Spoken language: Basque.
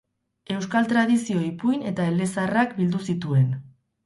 Euskal tradizio, ipuin eta elezaharrak bildu zituen.